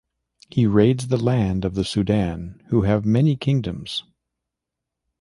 He raids the land of the Sudan who have many kingdoms.